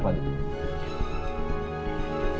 kak kalau ada apaan kita kasih mobil keinen tuvo taiwan